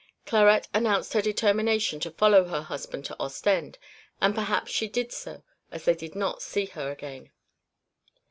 Clarette announced her determination to follow her husband to Ostend, and perhaps she did so, as they did not see her again.